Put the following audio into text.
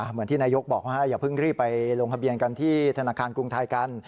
เหมือนที่นายกบอกว่าอย่าเพิ่งรีบไปลงทะเบียนกันที่ธนาคารกรุงไทยกัน